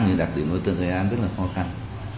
nhưng đặc điểm đối tượng gây án rất là khó khăn